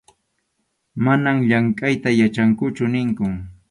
Manam llamkʼayta yachankuchu ninkun.